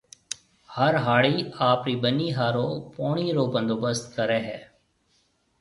هر هاڙِي آپرِي ٻنِي هاورن پوڻِي رو بندوبست ڪريَ هيَ۔